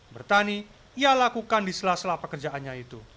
bertani ia lakukan di sela sela pekerjaannya itu